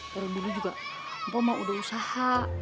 baru dulu juga mpok mah udah usaha